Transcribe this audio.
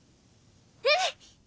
うん！